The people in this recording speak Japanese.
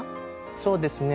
そうですね。